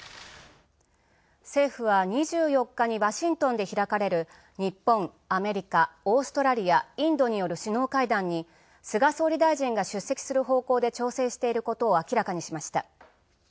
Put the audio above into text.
政府は２４日にワシントンで開かれる日本、アメリカ、オーストラリア、インドによる首脳会談に菅総理大臣が出席する方向で調整していることを明らかにしました。